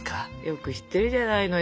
よく知ってるじゃないのよ。